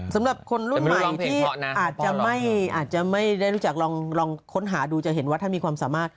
สำหรับคนรุ่นใหม่ที่อาจจะไม่ได้รู้จักลองค้นหาดูจะเห็นว่าท่านมีความสามารถ